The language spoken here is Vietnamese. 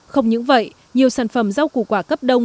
không những vậy nhiều sản phẩm rau củ quả cấp đông